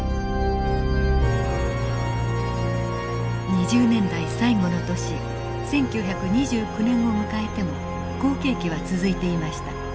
２０年代最後の年１９２９年を迎えても好景気は続いていました。